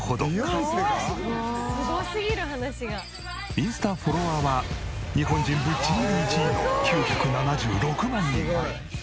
インスタフォロワーは日本人ぶっちぎり１位の９７６万人。